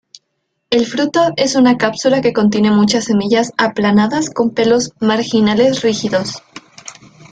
El fruto es una cápsula que contiene muchas semillas aplanadas con pelos marginales rígidos.